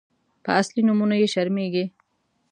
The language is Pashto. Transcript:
_په اصلي نومونو يې شرمېږي.